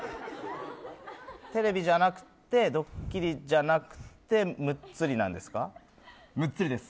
テレビじゃなくてドッキリじゃなくてムッツリです。